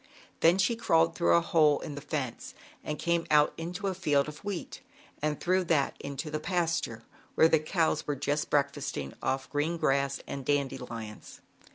Then she crawled through a hole in fence, and came out into a field of ZAUBERLINDA, THE WISE WITCH. 75 wheat and through that into the past ure where the cows were just break fasting off green grass and dandelions.